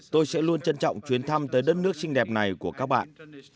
tôi sẽ luôn trân trọng chuyến thăm tới đất nước xinh đẹp này của các bạn